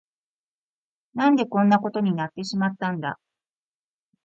何でこんなことになってしまったんだ。